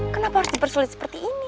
kenapa harus dipersulit seperti ini